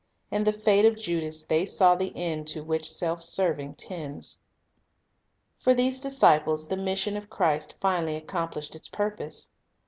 In the fate of Judas they saw the end to which self serving tends. For these disciples the mission of Christ finally accomplished its purpose.